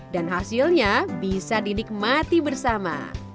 dan hasilnya bisa dinikmati bersama